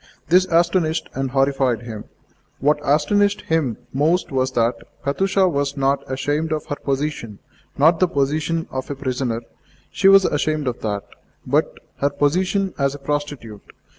This astonished and horrified him. What astonished him most was that Katusha was not ashamed of her position not the position of a prisoner (she was ashamed of that), but her position as a prostitute.